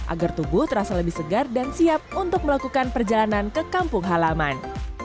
agar tubuh terasa lebih segar dan siap untuk melakukan perjalanan ke kampung halaman